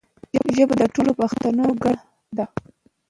ژبه د ټولو پښتانو ګډه ده.